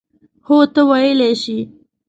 هو، ته ویلای شې.